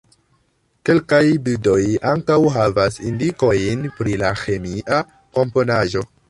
Kelkaj bildoj ankaŭ havas indikojn pri la ĥemia komponaĵo.